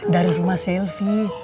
dari rumah selvi